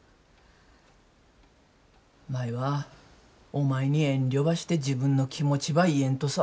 舞はお前に遠慮ばして自分の気持ちば言えんとさ。